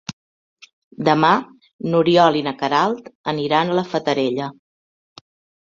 Demà n'Oriol i na Queralt aniran a la Fatarella.